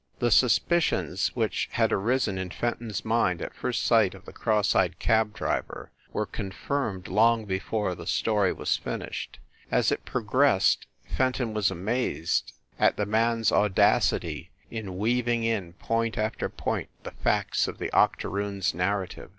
The suspicions which had arisen in Fenton s mind at first sight of the cross eyed cab driver were con firmed long before the story was finished. As it progressed, Fenton was amazed at the man s au 84 FIND THE WOMAN dacity in weaving in, point after point, the facts of the octoroon s narrative.